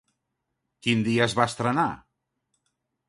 Quin dia es va estrenar?